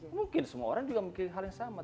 mungkin semua orang juga memiliki hal yang sama